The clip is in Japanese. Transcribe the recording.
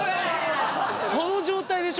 この状態でしょ？